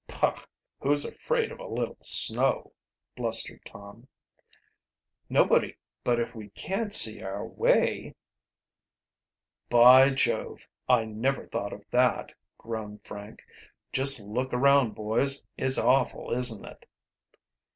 "Poch! who's afraid of a little snow?" blustered Tom. "Nobody, but if we can't see our way " "By Jove! I never thought of that!" groaned Frank. "Just look around, boys. It's awful, isn't it?"